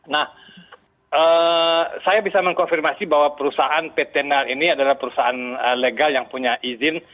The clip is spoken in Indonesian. nah saya bisa mengkonfirmasi bahwa perusahaan pt nar ini adalah perusahaan legal yang punya izin